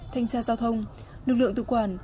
thanh tra giao thông lực lượng tự quản